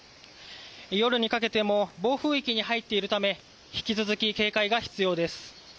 夜にかけても暴風域に入っているため引き続き警戒が必要です。